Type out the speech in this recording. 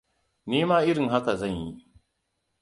Ni ma irin haka zan yi.